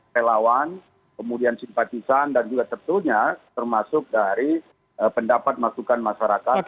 relawan kemudian simpatisan dan juga tentunya termasuk dari pendapat masukan masyarakat